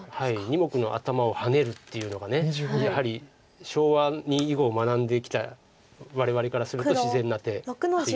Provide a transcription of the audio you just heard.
２目の頭をハネるっていうのがやはり昭和に囲碁を学んできた我々からすると自然な手っていう。